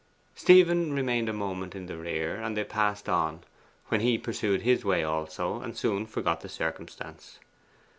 Stephen remained a moment in their rear, and they passed on, when he pursued his way also, and soon forgot the circumstance.